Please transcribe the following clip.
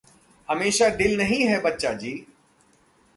हमेशा दिल नहीं है बच्चा जी